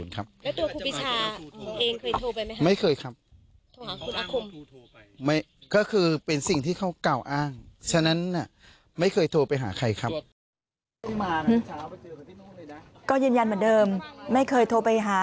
ก็ยืนยันเหมือนเดิมไม่เคยโทรไปหา